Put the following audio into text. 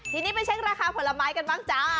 ทีนี้ไปเช็คราคาผลไม้กันบ้างจ้า